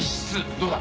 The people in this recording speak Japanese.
どうだ？